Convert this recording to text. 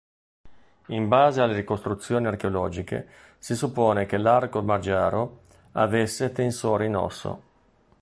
In base alle ricostruzioni archeologiche, si suppone che l'arco magiaro avesse tensori in osso.